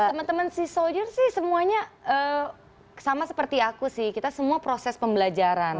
teman teman sea soldier sih semuanya sama seperti aku sih kita semua proses pembelajaran